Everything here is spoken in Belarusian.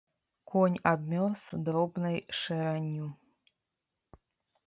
Конь абмёрз дробнай шэранню.